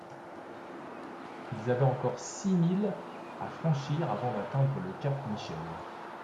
Ils avaient encore six milles à franchir avant d’atteindre le cap Michel.